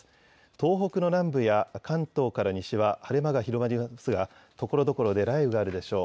東北の南部や関東から西は晴れ間が広がりますがところどころで雷雨があるでしょう。